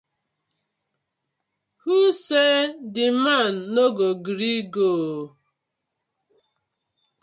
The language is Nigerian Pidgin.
Wosai di man no go gree go ooo.